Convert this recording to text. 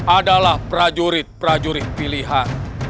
adalah prajurit prajurit pilihan